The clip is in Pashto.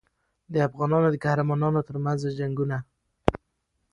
د افغانانو د قهرمانانو ترمنځ جنګونه.